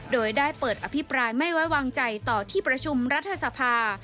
โดยได้เปิดอภิปรายไม่ไว้วางใจต่อที่ประชุมรัฐสภา